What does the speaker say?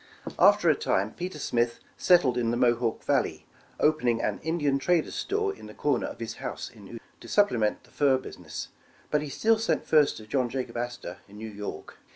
After a time Peter Smith settled in the Mohawk val ley, opening an Indian trader's store in the corner of his house in Utica to supplement the fur business, but he still sent furs to John Jacob Astor, in New York.